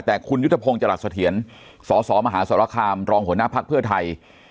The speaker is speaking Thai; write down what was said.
แต่คุณยุทธพงศ์จรัสเถียรสสมหาสรคามรองหัวหน้าภักดิ์เพื่อไทย